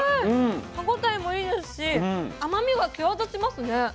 歯応えもいいですし甘みが際立ちますね。